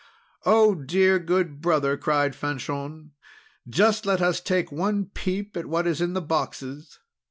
"Oh, dear, good brother!" cried Fanchon, "just let us take one peep at what is in the boxes!"